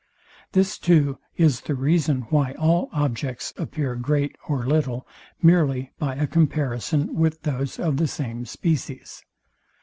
This too is the reason, why all objects appear great or little, merely by a comparison with those of the same species.